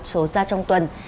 số ra trong tuần